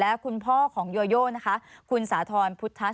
แล้วคุณพ่อของโยโย่นะคะคุณสาธรพุธฐาชายงศ์